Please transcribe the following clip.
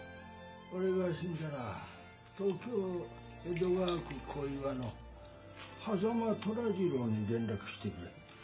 俺が死んだら東京江戸川区小岩の羽佐間寅二郎に連絡してくれ